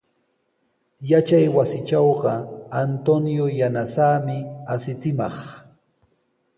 Yachaywasitrawqa Antonio yanasaami asichimaq.